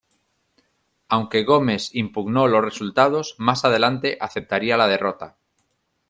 Aunque Gomes impugnó los resultados, más adelante aceptaría la derrota.